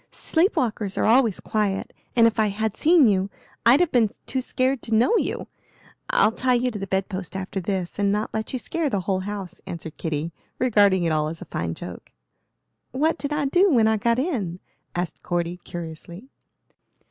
Sleep walkers are always quiet, and if I had seen you I'd have been too scared to know you. I'll tie you to the bed post after this, and not let you scare the whole house," answered Kitty, regarding it all as a fine joke. "What did I do when I got in?" asked Cordy, curiously.